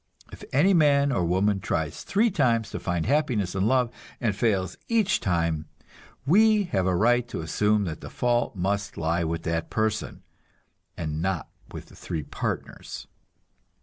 If any man or woman tries three times to find happiness in love, and fails each time, we have a right to assume that the fault must lie with that person, and not with the three partners.